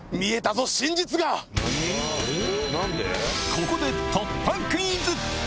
ここで突破クイズ！